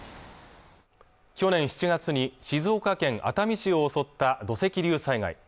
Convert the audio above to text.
去年７月に静岡県熱海市を襲った土石流災害